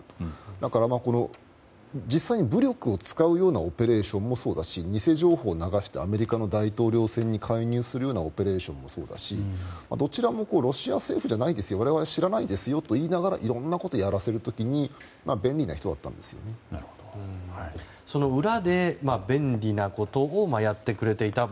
だから、実際に武力を使うようなオペレーションもそうだし偽情報を流してアメリカの大統領選に介入するようなオペレーションもそうだしどちらもロシア政府じゃないですよ我々は知らないですよと言いながらいろんなことをやらせる時に裏で便利なことをやってくれていたと。